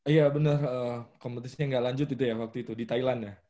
iya bener kompetisinya gak lanjut itu ya waktu itu di thailand ya